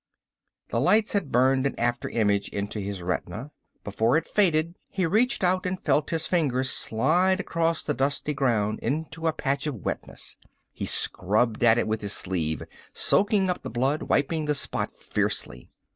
The lights had burned an after image into his retina. Before it faded he reached out and felt his fingers slide across the dusty ground into a patch of wetness. He scrubbed at it with his sleeve, soaking up the blood, wiping the spot fiercely.